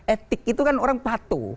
etik itu kan orang patuh